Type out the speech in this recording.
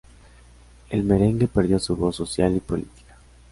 El merengue perdió su voz social y política.